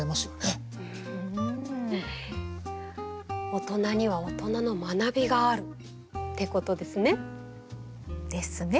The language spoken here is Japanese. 大人には大人の学びがあるってことですね。ですね。